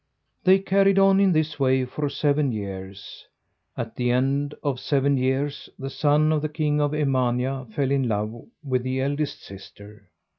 They carried on in this way for seven years. At the end of seven years the son of the king of Emania fell in love with the eldest sister.